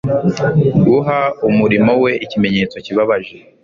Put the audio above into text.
guha umurimo we ikimenyetso kibabaje